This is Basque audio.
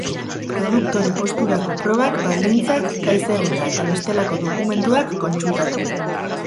Produktore posturako probak, baldintzak, gai-zerrenda eta bestelako dokumentuak kontsultatu.